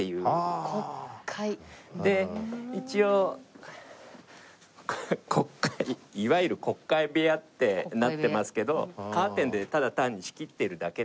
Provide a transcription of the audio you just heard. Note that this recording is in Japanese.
で一応告解いわゆる告解部屋ってなってますけどカーテンでただ単に仕切っているだけですね。